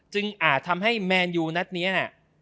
จึงอาจทำให้แมนยูนัดเนี้ยอ่ะ